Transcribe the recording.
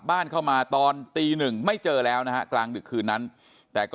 บ้านเข้ามาตอนตีหนึ่งไม่เจอแล้วนะฮะกลางดึกคืนนั้นแต่ก็